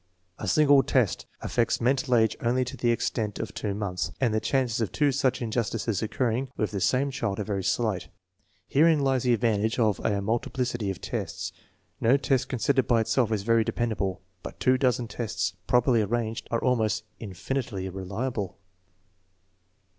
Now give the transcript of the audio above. A single test affects mental age only to the ex tent of two months, and the chances of two such injustices occurring with the same child are very slight. Herein lies the advantage of a multiplicity of tests. No test con sidered by itself is very dependable, but two dozen tests, properly arranged, are almost infinitely reliable.